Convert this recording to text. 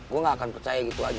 gue gak akan percaya gitu aja